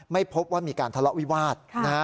ไม่พบว่ามีการทะเลาะวิวาส